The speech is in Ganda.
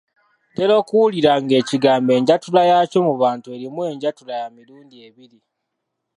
Ntera okuwulira ng'ekigambo enjatula yaakyo mu bantu erimu enjatula ya mirundi ebiri.